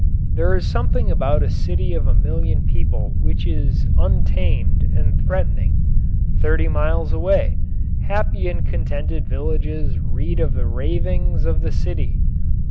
There is something about a city of a million people which is untamed and threatening. Thirty miles away, happy and contented villages read of the ravings of the city!